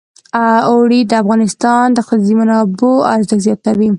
اوړي د افغانستان د اقتصادي منابعو ارزښت زیاتوي.